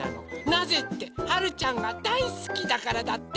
なぜってはるちゃんがだいすきだからだって！